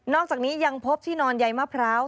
อกจากนี้ยังพบที่นอนใยมะพร้าว